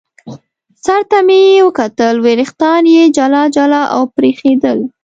سر ته مې یې وکتل، وریښتان یې جلا جلا او برېښېدل.